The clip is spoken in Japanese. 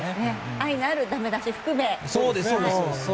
愛のあるダメ出しを含めね。